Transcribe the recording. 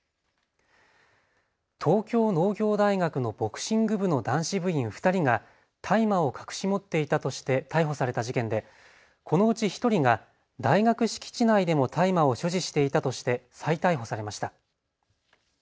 東京農業大学のボクシング部の男子部員２人が大麻を隠し持っていたとして逮捕された事件でこのうち１人が大学敷地内でも大麻を所持していたとして再逮捕されました。